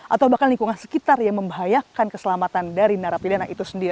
atau bahkan lingkungan sekitar yang membahayakan keselamatan dari narapidana